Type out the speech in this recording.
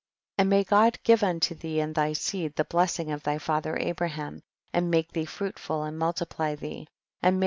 29. And may God give unto thee and thy seed the blessing of thy father Abraham, and make thee fruitful and multiply thee, and may THE BOOK OF JASHER.